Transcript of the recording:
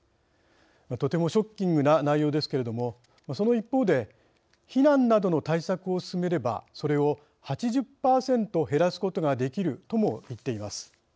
とてもショッキングな内容ですけれどもその一方で避難などの対策を進めればそれを８０％減らすことができるとも言っています。